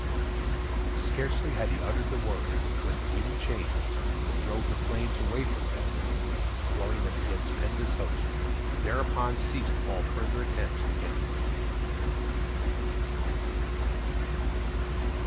Scarcely had he uttered the words, when the wind changed, and drove the flames away from Bamburgh, blowing them against Penda's host, who thereupon ceased all further attempts against the city.